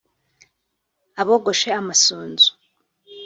abogoshe amasunzu